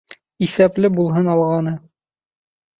Иҫәпле булһын алғаны